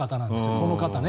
この方は。